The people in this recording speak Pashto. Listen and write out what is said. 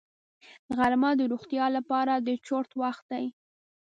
غرمه د روغتیا لپاره د چرت وخت دی